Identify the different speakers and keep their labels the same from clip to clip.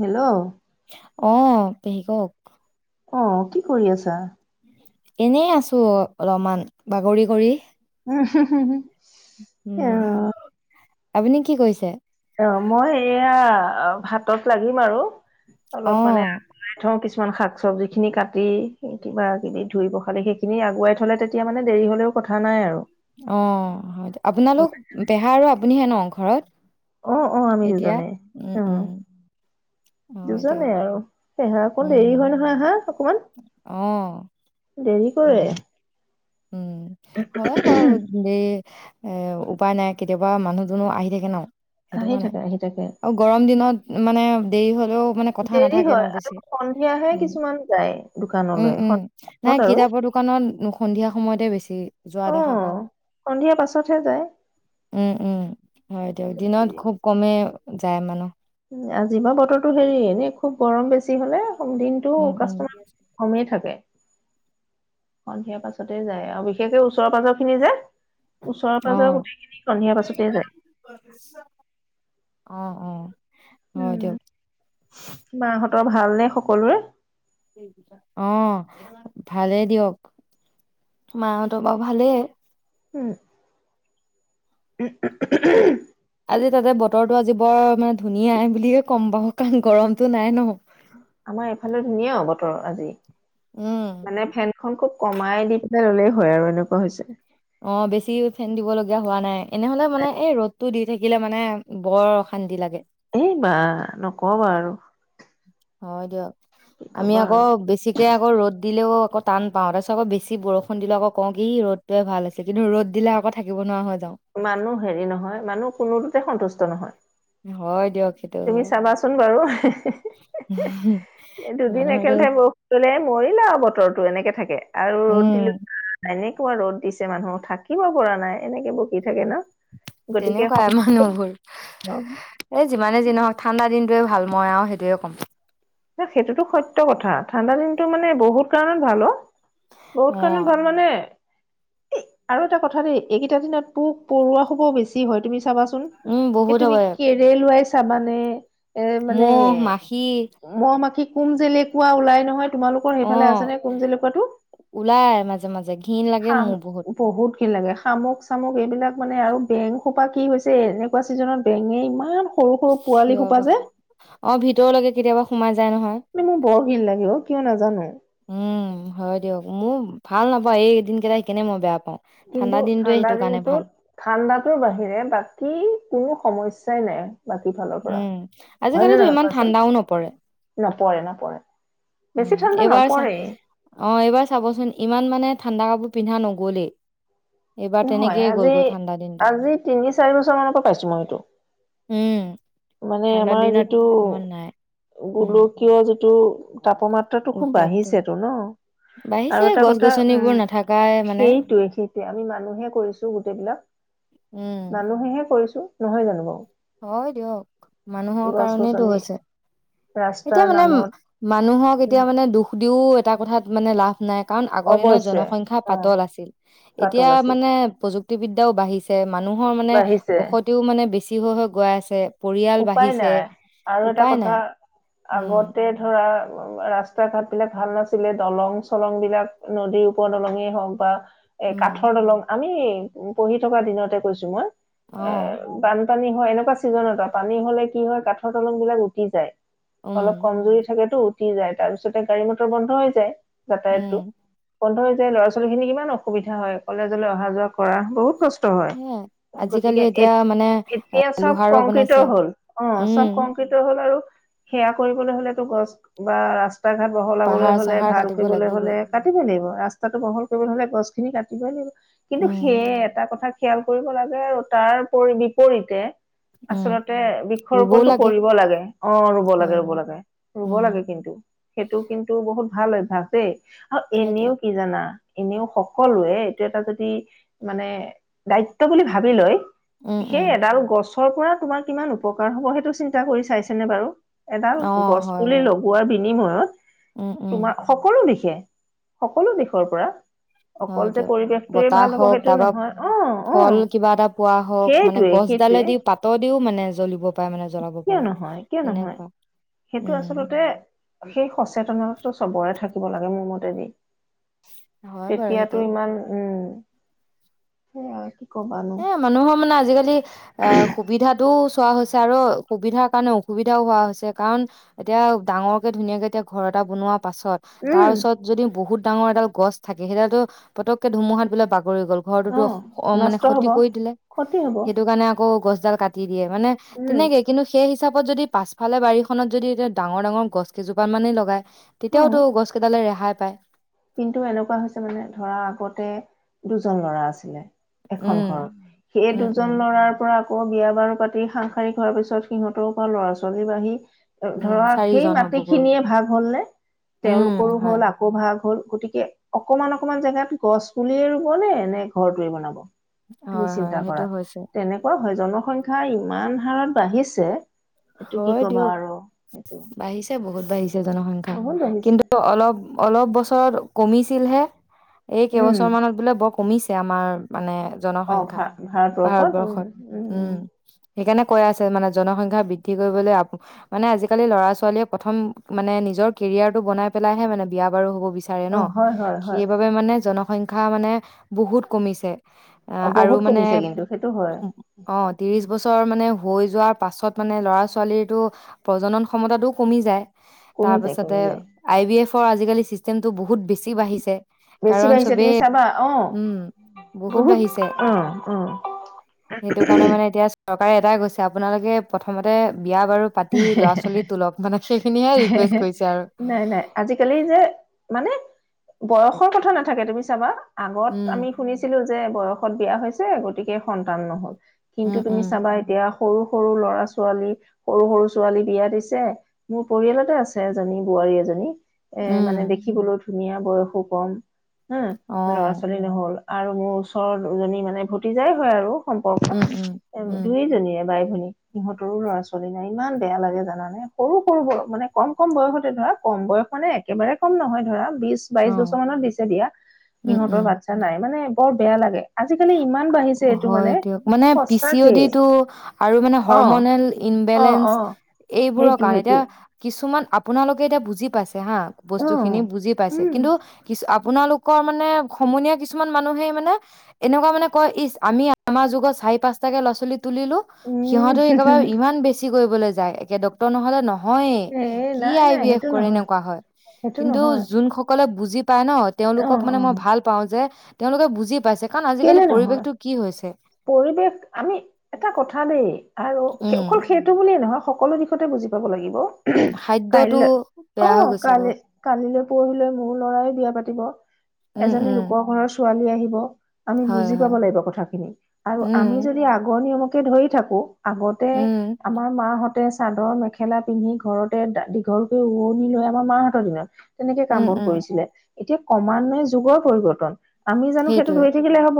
Speaker 1: Hello
Speaker 2: অহ ', পেহী কওঁক?
Speaker 1: অ কি কৰি আছা
Speaker 2: এনে আছো অলপমান বাগৰি কৰি
Speaker 1: উ হু হু
Speaker 2: উম আপুনি কি কৰিছে
Speaker 1: অ মই এয়া ভাতত লাগিম আৰু
Speaker 2: অ
Speaker 1: অলপ মানে [unintelligible] থওঁ কিছুমান কিছুমান শাক চবজিখিনি কাটি কিবাকিবি ধুই পখালি সেইখিনি আগুৱাই থ'লে তেতিয়া মানে দেৰি হ'লেও কথা নাই আৰু
Speaker 2: অ হয় আপোনালোক পেহা আৰু আপুনিহে ন ঘৰত
Speaker 1: অ অ আমি দুজনে উম
Speaker 2: অ
Speaker 1: দুজনে
Speaker 2: দিয়ক
Speaker 1: আৰু পেহা অকন দেৰি হয়
Speaker 2: উম
Speaker 1: নহয় আহা অকমান
Speaker 2: অ
Speaker 1: দেৰি কৰে
Speaker 2: হয় উম হয় বাৰু এ উপায় নাই কেতিয়াবা মানুহ দুনুহ আহি থাকে ন সেইটো
Speaker 1: আহি
Speaker 2: কাৰণে
Speaker 1: থাকে আহি থাকে
Speaker 2: আৰু গৰম দিনত মানে দেৰি হয় হ'লেও মানে কথা
Speaker 1: দেৰি
Speaker 2: নাথাকে ন
Speaker 1: হয় আৰু
Speaker 2: বেছি
Speaker 1: সন্ধিয়াহে
Speaker 2: উম
Speaker 1: কিছুমান যায়
Speaker 2: উম
Speaker 1: দোকানলৈ
Speaker 2: উম
Speaker 1: সন্ধিয়া
Speaker 2: নাই
Speaker 1: আৰু
Speaker 2: কিতাপৰ দোকানত সন্ধিয়া সময়তে বেছি যোৱা
Speaker 1: অ
Speaker 2: দেখা পাও
Speaker 1: সন্ধিয়া পাছতহে যায়
Speaker 2: উম উম হয় দিয়ক দিনত খুব কমে যায় মানুহ
Speaker 1: উম, আজি বাৰ বতৰটো হেৰি এনেই খুব গৰম বেছি হ'লে দিনটো
Speaker 2: উম, উম,
Speaker 1: কাষ্টমাৰ কমেই থাকে সন্ধিয়া পাছতে যায় আৰু বিশেষকে ওচৰ পাজৰ খিনি যে ওচৰৰ পাজৰে
Speaker 2: অ',
Speaker 1: গোটেইখিনি সন্ধিয়া পাছতে যায়
Speaker 2: অ অ হয়
Speaker 1: উম
Speaker 2: দিয়ক।
Speaker 1: মাহতৰ ভাল নে সকলো সকলোৱে
Speaker 2: অ ভালেই দিয়ক মাহত বাৰু ভালেই
Speaker 1: উম উম উমহ
Speaker 2: আজি তাতে বতৰটো আজি বৰ মানে ধুনীয়া বুলি ক কম বহত গৰমটো নাই ন
Speaker 1: আমাৰ এইফালে ধুনীয়া বতৰ আজি
Speaker 2: উম,
Speaker 1: মানে ফেনখন খুব কমাই দি ল'লেই হয় আৰু এনেকুৱা হৈছে
Speaker 2: অ বেছি ফেন দিবলগীয়া হোৱা নাই এনেহলে মানে এই ৰ'দটো দি থাকিলে মানে বৰ অশান্তি লাগে
Speaker 1: এই বা নকবা আৰু
Speaker 2: হয় দিয়ক
Speaker 1: কি
Speaker 2: আমি
Speaker 1: কবা
Speaker 2: আকৌ
Speaker 1: আৰু
Speaker 2: বেছিকে আকৌ ৰ'দ দিলেও আক টান পাওঁ তাৰপাছত আকৌ বেছি বৰষুণ দিলেও আকৌ কওঁ কি ৰ'দতোৱে ভাল আছিল কিন্তু ৰ'দ দিলে আকৌ থাকিব নোৱাৰা হৈ যাও
Speaker 1: মানুহ হেৰি নহয় মানুহ কোনোটোতে সন্তুষ্ট নহয়
Speaker 2: হয় দিয়ক সেইটো
Speaker 1: তুমি
Speaker 2: হয়
Speaker 1: চাবাচোন বাৰু হে হে হে দুদিন
Speaker 2: মানুহটো
Speaker 1: একেলাথাৰিয়ে বৰষুণ দিলে কৰিলে আৰু বতৰটো এনেকে থাকে আৰু ৰ'দ
Speaker 2: উম
Speaker 1: দিলো নাই ন পোৱা ৰ'দ দিছে মানুহ থাকিব পৰা নাই এনেকে বকি থাকে ন গতিকে
Speaker 2: তেনেকুৱা
Speaker 1: সম-
Speaker 2: মানুহবোৰ এ যিমানে যি নহওক ঠাণ্ডা দিনটোৱে ভাল মই আৰু সেইটোৱে ক'ম
Speaker 1: সেইটোত সত্য কথা ঠাণ্ডা দিনটো মানে বহুত কাৰণত ভাল অ বহুত
Speaker 2: অ
Speaker 1: কাৰণে ভাল মানে এ আৰু এটা কথা দেই এইকেইটা দিনত পোক পৰুৱা সমহ বেছি হয় তুমি চাবাচোন
Speaker 2: উম
Speaker 1: এই
Speaker 2: বহুত
Speaker 1: তুমি
Speaker 2: হয়
Speaker 1: কি ৰে'ল ওৱাইছ চাবানে
Speaker 2: মহ মাখি
Speaker 1: কি কোম জেলেকোৱা ওলাই নহয় তোমালোকৰ
Speaker 2: অ
Speaker 1: সেইফালে আছে নে কুম জেলেকোৱাটো
Speaker 2: ওলাই মাজে মাজে ঘিণ লাগে
Speaker 1: হাম
Speaker 2: মোৰ
Speaker 1: বহুত ঘিন লাগে শামুক চামুক এইবিলাক মানে আৰু বেংসোপা কি হৈছে এনেকুৱা ছিজনত বেঙে ইমান সৰু সৰু পোৱালি
Speaker 2: চিঞৰ
Speaker 1: সোপা যে
Speaker 2: বাখৰ অ ভিতৰলৈকে কেতিয়াবা যা
Speaker 1: মোৰ বৰ ঘিৰ লাগে অ কিয় নাজানো
Speaker 2: উম হয় দিয়ক মোৰ ভাল নাপাওঁ এইদিন কেইটা সেকেনে মই বেয়া পাওঁ
Speaker 1: কিন্তু
Speaker 2: দিনটোৱে
Speaker 1: ঠাণ্ডা
Speaker 2: সেইটো কাৰণে ভাল
Speaker 1: দিনটোত ঠাণ্ডাৰ বাহিৰে বাকী কোনো সমস্যাই নাই বাকী ফালৰ পৰা
Speaker 2: উম আজিকালিতো ইমান ঠাণ্ডাও নপৰে
Speaker 1: ৰে নপৰে বেছি
Speaker 2: উম
Speaker 1: ঠাণ্ডা
Speaker 2: এইবাৰ চা
Speaker 1: নপৰেই
Speaker 2: অ এইবাৰ চাবচোন ইমান মানে ঠাণ্ডা কাব পিন্হ ন গ'লে
Speaker 1: নহয় আজি আজি তিনি চাৰি বছৰ মানৰ পৰা পাইছো মই এইটো
Speaker 2: উম
Speaker 1: মানে
Speaker 2: ঠাণ্ডা
Speaker 1: আমাৰ
Speaker 2: দিনত
Speaker 1: যিটো
Speaker 2: ইমান নাই উম
Speaker 1: গোলকীয় যিটো ত তাপমাত্ৰাতটো খুব
Speaker 2: উত্তাপটো
Speaker 1: বাঢ়িছেতো ন
Speaker 2: বাঢ়িছে
Speaker 1: আৰু এটা
Speaker 2: গছ
Speaker 1: কথা উম
Speaker 2: গছনিবোৰ নাথাকাই মানে
Speaker 1: সেইটোৱে সেইটোৱে আমি ম কৰিছো গোটেইবিলাক
Speaker 2: উম
Speaker 1: মানুহেে কৰিছো নহয় জানো বাৰু
Speaker 2: হয় দিয়ক মানুহৰ
Speaker 1: গছ
Speaker 2: কাৰণটো
Speaker 1: গছনি
Speaker 2: হৈছে
Speaker 1: ৰাস্তাৰ
Speaker 2: এতিয়া মানে
Speaker 1: নামত
Speaker 2: মানুহক এতিয়া মানে দুখ ও এটা কথাত মানে লাভ নাই কাৰণ আগৰ দিনৰত
Speaker 1: অৱশ্যে
Speaker 2: জনসংখ্য্া
Speaker 1: অ
Speaker 2: পাতল আছিল
Speaker 1: পাতল
Speaker 2: এতিয়া
Speaker 1: আছি
Speaker 2: মানে প্ৰু মুুক্তিদ্যও বাঢ়িছে মানুহৰ মানে
Speaker 1: বাঢ়িছে
Speaker 2: বসতিও মানে বেছি িহ হৈ গৈ আছে পৰিয়াল
Speaker 1: উপায়
Speaker 2: বাঢ়িছে
Speaker 1: নাই আৰু এটা
Speaker 2: উপায়
Speaker 1: কথা
Speaker 2: নাই উম
Speaker 1: আগতে ধৰা ৰাস্তা ঘাট বিলাক ভাল নাছিলে দলং চলং বিলাক নদীৰ ওপৰ দলঙেই হওক বা এ
Speaker 2: উম,
Speaker 1: কাঠৰ দলং আমি উ পঢ়ি থকা দিনতে কৈছো মই
Speaker 2: আহ
Speaker 1: পানী হয় এনেুৱা ছিজন এটা পানী হলে কি হয় কাঠৰ তলং বিলাক উটি যায়
Speaker 2: উম,
Speaker 1: অলপ কমজৰি থাকেতটো উঠি যায় তাৰ পিছতে গাড়ী মটৰ বন্ধ হৈ যায় যাতায়াতটো
Speaker 2: উম,
Speaker 1: বন্ধ হৈ যায় যে ল'ৰা ছোৱালী খিনি কিমান অসুবিধা হয় কলেজলৈ অহা যোৱা কৰা বহুত প্ৰ্
Speaker 2: হে আজিকালি এতিয়া মানে লোহাৰো
Speaker 1: কংক্ৰট
Speaker 2: বনাইছে,
Speaker 1: হ'ল অ
Speaker 2: উম,
Speaker 1: চব কংক্ৰিত হ'ল আৰু সেয়া কৰিবলৈ হলেতো গছ বা ৰাস ৰাস্তা ঘাট বহলাবলৈ
Speaker 2: পাহাৰ
Speaker 1: হলে
Speaker 2: চাহাৰ
Speaker 1: ভাল
Speaker 2: কাটিব
Speaker 1: কৰিবলৈ হলে
Speaker 2: লাগিবই,
Speaker 1: কাটিবই লাগিব ৰাস্তাটো বহল কৰিবলৈ হলে গছখিনি কাটিবই লাগিব কিন্তু
Speaker 2: উম,
Speaker 1: সেয়ে এটা কথা খয়াল কৰিব লাগে আৰু তাৰ বিপৰীতে
Speaker 2: উম,
Speaker 1: আচলতে বৃক্ষৰোপনটো কৰিব লাগে অ ৰুব লাগে
Speaker 2: হয়,
Speaker 1: ৰুব
Speaker 2: হয়,
Speaker 1: লাগে ৰুব
Speaker 2: উম,
Speaker 1: লাগে কিন্তু সেইটো কিন্তু বহুত ভাল অভ্যাস দেই অ
Speaker 2: সেইটোৱে,
Speaker 1: এনেও কি জানা। এনেও সকলোৱে এইটো এটা যদি মানে দায়িত্ব বুলি ভাবি লয়।
Speaker 2: উম,
Speaker 1: সেই
Speaker 2: উম,
Speaker 1: এডাল গছ। ঘৰ পৰা। তোমাৰ কিমান উপকাৰ হ'ব সেইটো চিন্তা কৰি চাইছেনে বাৰু? এডাল
Speaker 2: অ',
Speaker 1: গছ
Speaker 2: হয়
Speaker 1: পুলি
Speaker 2: বাৰু,
Speaker 1: লগোৱাৰ বি। বিনিময়ত।
Speaker 2: উম, উম,
Speaker 1: তোমাৰ সকলো দিশ। সকলো দিশৰ পৰা। অকল
Speaker 2: হয়
Speaker 1: যে
Speaker 2: দিয়ক,
Speaker 1: পৰিৱেশটোৱে
Speaker 2: বতাহ
Speaker 1: ভাল হ'ব
Speaker 2: হওক
Speaker 1: সেইটো
Speaker 2: তাৰপা
Speaker 1: নহয় অ', অ',
Speaker 2: ফল কিবা এটা পোৱা হওক মানে
Speaker 1: সেইটোৱে
Speaker 2: গছডালে
Speaker 1: সেইটোৱে
Speaker 2: দি পাতৰ দিও।
Speaker 1: কিয় নহয় কিয় নহয়
Speaker 2: তেনেকুৱা,
Speaker 1: সেইটো
Speaker 2: উম,
Speaker 1: আচলতে সেই সচেতন। টো চবৰে থাকিব লাগে মোৰ মতেদি।
Speaker 2: হয় বাৰু
Speaker 1: তেতিয়াতো
Speaker 2: সেইটো।
Speaker 1: ইমান উম। [inaudible]
Speaker 2: এ মানুহৰ মানে আজিকালি এ সুবিধাটো। চোৱা হৈছে আৰু সুবিধাৰ কাৰণে অসুবিধাও হোৱা হৈছে কাৰণ এতিয়া ডাঙৰ কে ধুনীয়াকে এতিয়া ঘৰ এটা বনোৱা পাছত তাৰ
Speaker 1: উম
Speaker 2: ওছৰত যদি বহুত ডাঙৰ এডাল গছ থাকে সেইডাতটো পতক কে ধুমুহাত বোলে ব। পৰি গ'ল ঘৰৰতটো তো অ মানে
Speaker 1: নষ্ট হ'ব
Speaker 2: কৰি দিলে
Speaker 1: ক্ষতি হ'ব
Speaker 2: সেইটো কাৰণে আকৌ গছ ডাল কাটি দিয়ে মানে
Speaker 1: উম
Speaker 2: তেনেকে কিন্তু সেই হিচাপ ত যদি পাছফালে বাৰীখনত যদি এতি ডাঙৰ ডাঙৰ গছ কেইজোপা মানে লগাই তেতিয়াও
Speaker 1: অ',
Speaker 2: টো গছ কেইদালে ৰেহাই। পায়।
Speaker 1: কিন্তু এনেকুৱা হৈছে মানে ধৰা আগতে দুজন ল'ৰা আছিলে। এখন
Speaker 2: উম
Speaker 1: ঘৰত সেই
Speaker 2: উম উম
Speaker 1: দুজন ল'ৰাৰ পৰা আকৌ বিয়া বাৰু পাতি হাহ শাৰী খোৱাৰ পিছত সিহঁতৰ পৰা ল'ৰা ছোৱালী বাঢ়ি
Speaker 2: উম
Speaker 1: ধৰা সেই
Speaker 2: চাৰিজন
Speaker 1: মাটি
Speaker 2: হ'বগৈ
Speaker 1: খিনিয়ে ভাগ হ'ল নে,
Speaker 2: উম
Speaker 1: তেওঁলোকৰো
Speaker 2: হয়
Speaker 1: হ'ল আকৌ ভাগ। হ'ল গতিকে অকমান অকমান জেগাত গছ পুলিয়ে ৰুব নে নে ঘৰটোৱে বনাব। তুমি
Speaker 2: হয় হয়
Speaker 1: চিন্তা কৰা,
Speaker 2: সেইটো হৈছে।
Speaker 1: তেনেকুৱা হয় জনসংখ্যা ইমান হাৰত বাঢ়িছে। এইটো কি
Speaker 2: হয়
Speaker 1: কবা
Speaker 2: দিয়ক,
Speaker 1: আৰু সেইটো
Speaker 2: বাঢ়িছে বহুত বাঢ়িছে জনসংখ্যা।
Speaker 1: বহুত বাঢ়িছে,
Speaker 2: কিন্তু অলপ অলপ বস্তু [unintelligible] কমিছিলহে এই
Speaker 1: উম।
Speaker 2: কেইবছৰমানত বোলে বৰ কমিছে আমাৰ মানে
Speaker 1: অ
Speaker 2: জনসংখ্যা
Speaker 1: ভা উম
Speaker 2: ভাৰতবৰ্ষত, উম। সেইকাৰণে কৈ আছে মানে জনসংখ্যা বৃদ্ধি বৃদ্ধি কৰিবলৈ মানে আজিকালি ল'ৰা ছোৱালীয়ে প্ৰথম মানে নিজৰ কেৰিয়াৰটো বনাই পেলাইহে মানে বিয়া বাৰু হ'ব বিচাৰে
Speaker 1: অ
Speaker 2: ন,
Speaker 1: হয় হয় হয়
Speaker 2: সেইবাবে মানে জন সংখ্যা মানে বহুত কমিছে।
Speaker 1: অ
Speaker 2: অঁ আৰু
Speaker 1: বহুত
Speaker 2: মানে
Speaker 1: কমিছে কিন্তু সেইটো হয়
Speaker 2: অঁ, ত্ৰিশ বছৰ মানে হৈ যোৱাৰ পাছত মানে ল'ৰা ছোৱালীৰটো, প্ৰজনন ক্ষমতাটোও কমি যায়। তাৰ
Speaker 1: কমি যায়
Speaker 2: পাছতে,
Speaker 1: কমি যায়
Speaker 2: আই বি এফ অঁ আজিকালি চিছষ্টেমটো বহুত বেছি বাঢ়িছে।
Speaker 1: বেছি
Speaker 2: কাৰণ
Speaker 1: বাঢ়িছে, তুমি
Speaker 2: চবেই
Speaker 1: চাবা অঁ,
Speaker 2: উম,
Speaker 1: বহুত অহ অহ।
Speaker 2: কাৰে এটাই গৈছে আপোনালোকে প্ৰথমতে বিয়া বাৰু পাতি ল'ৰা ছোৱালী তোলক, মানে সেইখিনিহে ৰিকুৱেষ্ট কৰিছে আৰু।
Speaker 1: নাই নাই আজিকালি যে মানে বয়সৰ কথা নাথাকে তুমি চাবা। আগত
Speaker 2: উম,
Speaker 1: আমি শুনিছিলো যে বয়সত বিয়া হৈছে, গতিকে সন্তান ন'হল। কিন্তু
Speaker 2: উম,
Speaker 1: তুমি
Speaker 2: উম,
Speaker 1: চাবা এতিয়া সৰু সৰু ল'ৰা ছোৱালী সৰু-সৰু ছোৱালী বিয়া দিছে, মোৰ পৰিয়ালতে আছে এজনী বোৱাৰী এজনী। এ
Speaker 2: উম,
Speaker 1: মানে দেখিবলৈ ধুনীয়া, বয়সো কম। হম, ল'ৰা
Speaker 2: অ',
Speaker 1: ছোৱালী নহ'ল। আৰু মোৰ ওচৰৰ দুজনী মানে ভতিযাই হয় আৰু। সম্পৰ্কত,
Speaker 2: উম, উম, উম,
Speaker 1: দুয়ো জনীয়ে বা সিহঁতৰো ল'ৰা ছো চলি নাই, ইমান বেয়া লাগে জানা নে, সৰু- সৰু ব মানে কম-কম বয়সতে ধৰা কম বয়স মানে একেবাৰে কম নহয় ধৰা। বিশ বাইশ
Speaker 2: অ',
Speaker 1: বছৰ মানত দিছে দিয়া,
Speaker 2: উম, উম।
Speaker 1: সিহঁতৰ বাচ্ছা নাই মানে বৰ বেয়া লাগে। আজিকালি ইমান বাঢ়িছে এইটো
Speaker 2: হয়
Speaker 1: মানে
Speaker 2: দিয়ক, মানে পি চি অ দি
Speaker 1: সঁচাকেই
Speaker 2: টো আৰু মানে
Speaker 1: অ
Speaker 2: হৰমনেল ইমবেলেন
Speaker 1: অ
Speaker 2: বেলেঞ্চ
Speaker 1: অ
Speaker 2: এইবোৰৰ
Speaker 1: সেইটো
Speaker 2: কাৰনে,
Speaker 1: সেইটো
Speaker 2: এতিয়া কিছুমান আপোনালোকে এতিয়া বুজি পাইছে হা
Speaker 1: অ
Speaker 2: বস্তু খিনি বুজি পাইছে
Speaker 1: উম
Speaker 2: কিন্তু কিচো আপোনালোকৰ মানে সমনীয়া কিছুমান মানুহেই মানে এনেকুৱা মানে কয় ইচ আমি আমাৰ যুগত চাৰি পাঁচটাকে কৰা ছোৱালী তুলিলো সিহতো
Speaker 1: উম
Speaker 2: একেবাৰে ইমান বেছি কৰিবলৈ যায় একে ড্ক্তৰ নহ'লে নহ হৈয়ে
Speaker 1: এ
Speaker 2: কি
Speaker 1: নাই
Speaker 2: আই
Speaker 1: নাই
Speaker 2: বি এফ
Speaker 1: সেইটো
Speaker 2: কৰে
Speaker 1: নহয়
Speaker 2: এনেকুৱা হয়
Speaker 1: সেইটো
Speaker 2: কিন্তু
Speaker 1: নহয়
Speaker 2: যোনসকলে বুজি পাই ন
Speaker 1: অ
Speaker 2: তেওঁলোকক মানে
Speaker 1: অ
Speaker 2: মই ভাল পাওঁ যে তেওঁলোকে বুজি পাইছে কাৰণ আজিকালি
Speaker 1: কেলে নহয়
Speaker 2: পৰিৱেশটো কি হৈছে
Speaker 1: পৰিৱেশ আমি এটা কথা দেই আৰু
Speaker 2: উম
Speaker 1: অকল সেইটো বুলিয়েই নহয় সকলো দিশতে বুজি পাব লাগিব
Speaker 2: খাদ্যটো
Speaker 1: কাইলৈ
Speaker 2: বেয়া
Speaker 1: অ
Speaker 2: হৈ গৈছে
Speaker 1: কালি
Speaker 2: বহুত
Speaker 1: কালিলৈ পৰহিলৈ মোৰ লৰাই বিয়া পাতিব
Speaker 2: উম
Speaker 1: এজনী
Speaker 2: উম
Speaker 1: লোকৰ ঘৰৰ ছোৱালী আহিব আমি
Speaker 2: হয়
Speaker 1: বুজি পাব
Speaker 2: হয়
Speaker 1: লাগিব কথাখিনি আৰু
Speaker 2: উম
Speaker 1: আমি যদি আগৰ নিয়মক ধৰি থাকো আগতে
Speaker 2: উম
Speaker 1: আমাৰ মাহত তে চাদৰ মেখেলা পিন্ধি ঘৰতে দীঘলকে উৱনি লয় আমাৰ মাহঁতৰ দিনত তেনেকে কাম
Speaker 2: উম
Speaker 1: বন
Speaker 2: উম
Speaker 1: কৰিছিলে এতিয়া ক্ৰমান্বয়ে যুগৰ পৰিৱৰ্তন আমি জানো সেইটো
Speaker 2: সেইটোৱে
Speaker 1: ধৰি হব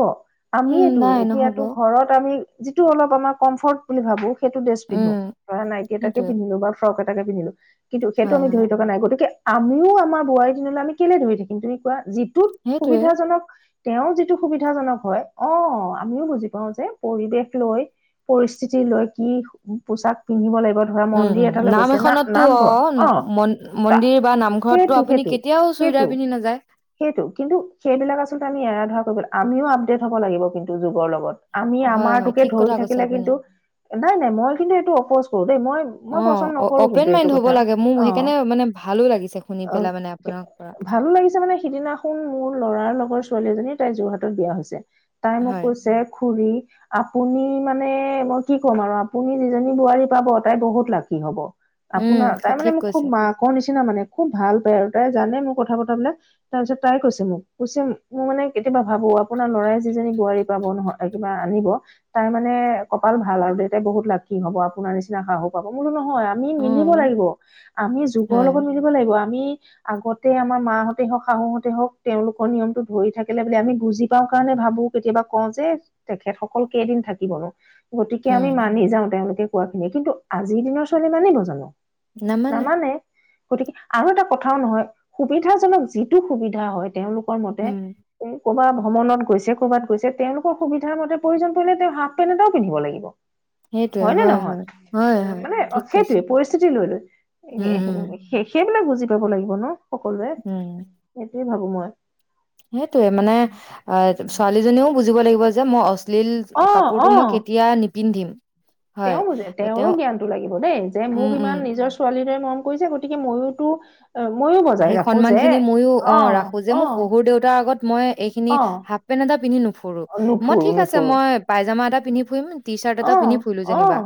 Speaker 2: উম
Speaker 1: আমিয়েতো
Speaker 2: নাই নহ'ব
Speaker 1: এতিয়াতো ঘৰত ম যিটো অলপ আমাৰ কমফৰ্ট বুলি ভাবো সেইটো ড্ৰেছ পিন্ধো
Speaker 2: উম
Speaker 1: ধৰা নাইটি এটাকে
Speaker 2: সেইটোৱে
Speaker 1: পিন্ধিলো বা ফ্ৰক এটাকে পিধিলো কিন্তু সেইটো
Speaker 2: হয়
Speaker 1: আমি
Speaker 2: হয়
Speaker 1: ধৰি থকা নাই গতিকে আমিও আমাৰ বোৱাৰীৰ দিনলৈ আমি কেলে ধৰি থাকিম তুমি কোৱা যি টোত
Speaker 2: সেইটোৱে
Speaker 1: সুবিধাজনক তেওঁৰ যিটো সুবিধাজনক হয় অ আমিও বুজি পাও যে পৰিৱেশ লৈ পৰিস্থিতি লৈ কি পোচাক পিন্ধিব লাগিব ধৰা
Speaker 2: উম
Speaker 1: মন্দিৰ
Speaker 2: উম
Speaker 1: এটালৈ
Speaker 2: নাম
Speaker 1: গৈছে ন
Speaker 2: এখনতো
Speaker 1: নামঘৰ অ
Speaker 2: মন মন্দিৰ বা নামঘৰততো
Speaker 1: সেইটো
Speaker 2: আপুনি
Speaker 1: সেইটো
Speaker 2: কেতিয়াও
Speaker 1: সেইটো
Speaker 2: চুৰিদাৰ পিন্ধি নাযায়
Speaker 1: সেইটো কিন্তু সেইবিলাক আচলতে আমি এৰা ধৰ আমিও আপডেট হ'ব লাগিব কিন্তু যুগৰ লগত আমি
Speaker 2: হয় হয়
Speaker 1: আমাৰটোকে
Speaker 2: ঠিক
Speaker 1: ধৰি
Speaker 2: কথা কৈছে
Speaker 1: থাকিলে
Speaker 2: আপুনি
Speaker 1: কিন্তু নাই নাই মই কিন্তু এইটো অপজ কৰো দেই মই
Speaker 2: অ
Speaker 1: মই পচন্দ নকৰো
Speaker 2: অপেন
Speaker 1: কিন্তু এইটো
Speaker 2: মাইণ্ড হ'ব
Speaker 1: কথা
Speaker 2: লাগে মোৰ
Speaker 1: অ
Speaker 2: সেইকাৰণে মানে ভালো লাগিছে শুনি
Speaker 1: অ
Speaker 2: পেলাই মানে আপোনাৰ পৰা
Speaker 1: ভালো লাগিছে মানে সিদিনাখন মোৰ লৰাৰ লগত ৰ ছোৱালীজনী তাই যোৰহাট বিয়া হৈছে তাই মোক
Speaker 2: হয়
Speaker 1: কৈছে খুৰী। আপুনি মানে মই কি ক'ম আৰু আপুনি যিজনী বোৱাৰী পাব তাই বহুত লাখি হব।
Speaker 2: উম
Speaker 1: আপোনাৰ তাই মানে
Speaker 2: ঠিক
Speaker 1: মোক খুব
Speaker 2: কৈছে
Speaker 1: মা ক নিচিনা। নিচিনা মানে খুব ভাল পায় আৰু তাই জানে মোৰ কথা পতবিলাক তাৰপিছত তাই কৈছে মোক কৈছে মোৰ মানে কেতিয়াবা। ভাবো আপোনাৰ ল'ৰাই যিজনী বোৱাৰী পাব নহ কিবা আনিব তাই মানে কপাল ভাল আৰু দেউতাই বহুত লাক্ষি হব আপোনাৰ নিচিনা সাহো পাব মই বোলো। হয়', আমি
Speaker 2: অ
Speaker 1: মিলিব লাগিব আমি যুগৰ
Speaker 2: হয়
Speaker 1: লগত মিলিব লাগিব। আমি আগতে আমাৰ মাহঁতে হওক শাহুহতে হওক তেওঁলোকৰ নিয়মটো ধৰি থাকিলে বুলি আমি। বুজি পাওঁ কাৰণে ভাবো কেতিয়াবা কওঁ যে তেখেত সকল কেই এদিন থাকিবনো। গতিকে আমি
Speaker 2: উম
Speaker 1: মানি যাওঁ তেওঁলোকে। কোৱাখিনিয়ি কিন্তু আজিৰ দিনৰ ছোৱালী মানিব জানো।
Speaker 2: নামানে।
Speaker 1: গতিকে আৰু এটা কথাও নহয় সুবিধাজনক যিটো সুবিধা হয়। তেওঁলোকৰ মতে
Speaker 2: উম
Speaker 1: ক'ৰবাত ভ্ৰমণত গৈছে কৰবাত গৈছে তেওঁলোকৰ সুবিধাৰ মতে প্ৰয়োজন পৰিলে তেওঁ হাফ পেণ্ এটাও পিন্ধিব লাগিব।
Speaker 2: সেইটোয়ে
Speaker 1: হয় নে নহয়
Speaker 2: হয়, হয়,
Speaker 1: মানে
Speaker 2: ঠিক কৈছে।
Speaker 1: সেইটোয়ে পৰিস্থিতি লৈ -
Speaker 2: উম, উম,
Speaker 1: লৈ সেইবিলাক বু জি কৰিব লাগিব ন। সকলোৱে সেইয়ে ভাবো মই।
Speaker 2: হেত সেইটোৱে মানে অহ ', ছোৱালীজনীও বুজিব লাগিব। যে মই অ লিল
Speaker 1: অ অ
Speaker 2: কাপোৰটো মই কেতিয়া নিপ পিন্ধিম
Speaker 1: তেওঁ বুজে তেওঁৰো জ্ঞানটো লাগিব দেই যে
Speaker 2: উম,
Speaker 1: মোক
Speaker 2: উম,
Speaker 1: ইমান নিজৰ ছোৱালীৰে মৰম। গৈছে গতিকে ময়ুৰতো
Speaker 2: সেই সন্মান খিনি ময়ো
Speaker 1: অ
Speaker 2: অহ ', ৰাখো যে
Speaker 1: অ
Speaker 2: মোৰ শহুৰ দেউতাৰ আগত মই এইখিনি
Speaker 1: অ
Speaker 2: হাফ পেন্ট এটা পিন্ধি নুফুৰো মই
Speaker 1: নুফুৰো
Speaker 2: ঠিক আছে
Speaker 1: নুফুৰো
Speaker 2: মই পাইজামা এটা পিনধি ফুৰিম টি চাৰ্ট এটা
Speaker 1: অ
Speaker 2: পিন্ধি ফুলো
Speaker 1: অ
Speaker 2: যেনিবা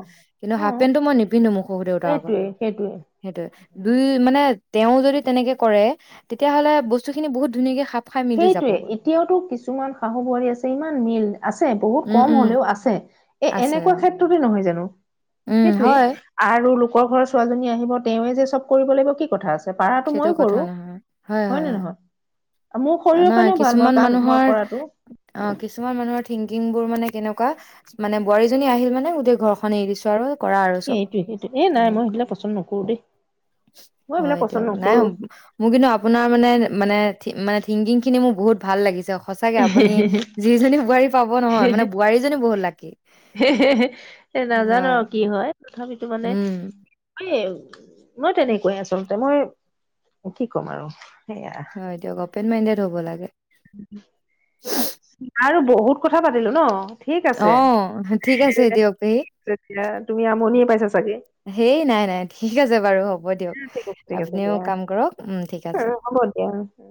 Speaker 2: কিন্তু
Speaker 1: অ
Speaker 2: হাফ পেণ্টটো মই নিপিন্ধো মু শহু দেউতাৰ আগত
Speaker 1: সেইটোৱে সেইটোৱে
Speaker 2: সেইটয়ে দুই মানে তেওঁ যদি। কৰে তেতিয়াহলে বস্তু খিনি বহুত ধুনীয়াকে খাম
Speaker 1: সেইটোৱে এতিয়াওতো কিছুমান শাহু বোৱাৰী আছে ইমান মিল আছে। বহুত
Speaker 2: উম,
Speaker 1: কম
Speaker 2: উম,
Speaker 1: হলেও আছে এ,
Speaker 2: আছে
Speaker 1: এনেকুৱা
Speaker 2: অ',
Speaker 1: ক্ষেত্ৰতে নহয় জানো।
Speaker 2: উম,
Speaker 1: সেইটোৱে
Speaker 2: হয়,
Speaker 1: আৰু। লোক ঘৰৰ ছোৱালজনী আহিব তে। ওঁৱে যে চব কৰিব লাগিব কি কথা আছে পাৰাটো
Speaker 2: সেইটো
Speaker 1: ময়ো
Speaker 2: কথা
Speaker 1: কৰো
Speaker 2: নহয়।
Speaker 1: হয় নে নহয়? মোৰ শৰীৰৰ
Speaker 2: নহয়
Speaker 1: কাৰণেও ভাল মই
Speaker 2: কিছুমান
Speaker 1: কাম মই
Speaker 2: মানুহৰ
Speaker 1: কৰাটো।
Speaker 2: অ কিছুমান মানুহৰ থিংকিং। বোৰ মানে কেনেকুৱা, মানে বোৱাৰীজনী আহিল মানে গোটেই ঘৰখননে এৰি দিছো আৰু। কৰা আৰু চব
Speaker 1: সেইটোয়ে সেইটো এ নাই মই
Speaker 2: তেনেকুৱা
Speaker 1: সেইবিলাক পচন্দ নকৰো দেই। মই এইবিলাক
Speaker 2: হয়
Speaker 1: পচ,
Speaker 2: নাই মোৰ কিন্তু আপোনাৰ মানে মানে। মানে থিংকিং খিনি মোৰ বহুত ভাল লাগিছে। সঁচাকে আপুনি যিজনী বোৱাৰী পাব নহয় মানে বোৱাৰীজনী বহুত লাকি।
Speaker 1: এ নাজানো
Speaker 2: হয়
Speaker 1: আৰু
Speaker 2: উম।
Speaker 1: এ মই তেনেকুৱাই আচলতে, মই কি ক'ম আৰু। সেয়া।
Speaker 2: হয় দিয়ক। অপেন মাইণ্ডেড হব লাগে।
Speaker 1: আৰু বহুত কথা পাতিলো ন? ঠিক
Speaker 2: অ
Speaker 1: আছে
Speaker 2: ঠিক আছে দিয়ক। হ
Speaker 1: তেতিয়া তুমি আমনিয়ে পাইছা চাগে।
Speaker 2: হেই নাই নাই ঠিক আছে বাৰু হ'ব দিয়ক,
Speaker 1: ঠিক আছে ঠিক আছে
Speaker 2: আপুনিও
Speaker 1: দিয়া।
Speaker 2: কাম কৰক উম ঠিক আছে।
Speaker 1: উম হ'ব দিয়া।